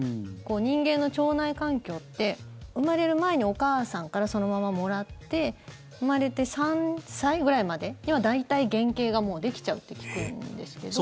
人間の腸内環境って生まれる前にお母さんからそのままもらって生まれて３歳くらいまでには大体、原型ができちゃうって聞くんですけど。